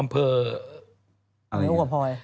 มาริโอกับพอย